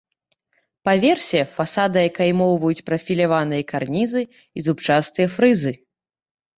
Па версе фасады акаймоўваюць прафіляваныя карнізы і зубчастыя фрызы.